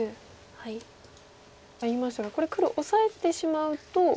ハイましたがこれ黒オサえてしまうと。